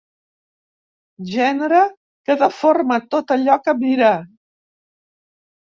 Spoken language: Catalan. Gènere que deforma tot allò que mira.